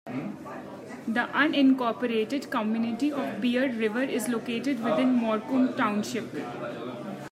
The unincorporated community of Bear River is located within Morcom Township.